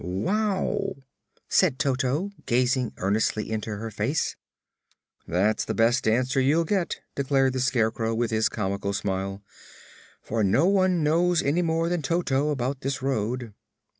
"Wow!" said Toto, gazing earnestly into her face. "That's the best answer you'll get," declared the Scarecrow, with his comical smile, "for no one knows any more than Toto about this road."